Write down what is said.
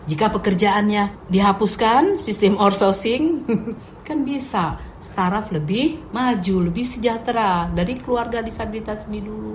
jika pekerjaannya dihapuskan sistem outsourcing kan bisa staraf lebih maju lebih sejahtera dari keluarga disabilitas ini dulu